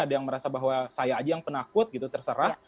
ada yang merasa bahwa saya aja yang penakut gitu terserah